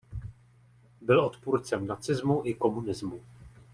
Byl odpůrcem nacismu i komunismu.